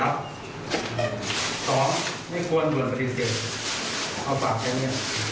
เอาฝากแค่นี้